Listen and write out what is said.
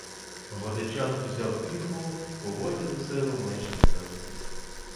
Годечан узяв піхво й поволі засилив меч назад.